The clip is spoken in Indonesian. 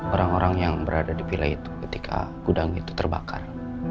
orang orang yang berada di pilai itu ketika gudang itu terbakar